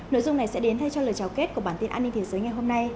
nội dung này sẽ đến thay cho lời trao kết của bản tin an ninh thế giới ngày hôm nay